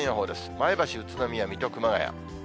前橋、宇都宮、水戸、熊谷。